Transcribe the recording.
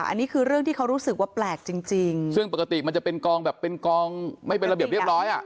อันนี้คือเรื่องที่เขารู้สึกว่าแปลกจริงจริงซึ่งปกติมันจะเป็นกองแบบเป็นกองไม่เป็นระเบียบเรียบร้อยอ่ะ